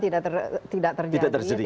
tidak terjadi tidak terjadi ya